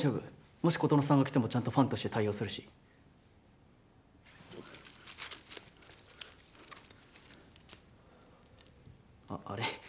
もし琴乃さんが来てもちゃんとファンとして対応するしああれ？